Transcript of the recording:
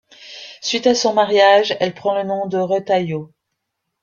Suite à son mariage, elle prend le nom Retailleau.